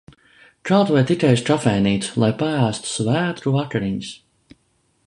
Kaut vai tikai uz kafejnīcu, lai paēstu svētku vakariņas.